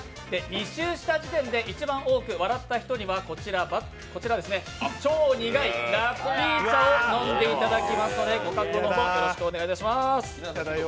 ２周した時点で一番多く笑った人には超苦いラッピー茶を飲んでいただきますので、ご覚悟の方、よろしくお願いします。